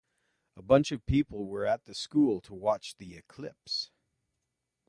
A bunch of people were at the school to watch the eclipse.